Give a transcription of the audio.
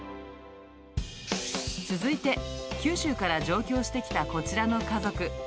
続いて、九州から上京してきたこちらの家族。